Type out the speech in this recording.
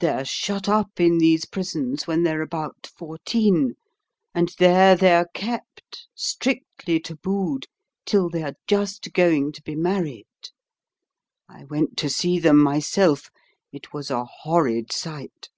They're shut up in these prisons when they're about fourteen, and there they're kept, strictly tabooed, till they're just going to be married. I went to see them myself; it was a horrid sight.